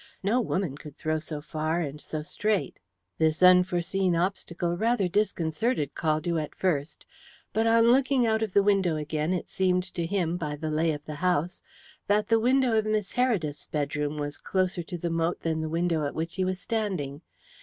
No woman could throw so far and so straight. This unforeseen obstacle rather disconcerted Caldew at first, but on looking out of the window again it seemed to him, by the lay of the house, that the window of Miss Heredith's bedroom was closer to the moat than the window at which he was standing.